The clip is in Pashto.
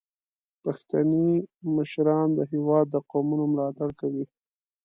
پښتني مشران د هیواد د قومونو ملاتړ کوي.